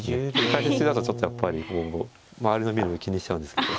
解説中だとちょっとやっぱりこう周りの見る目気にしちゃうんですけど。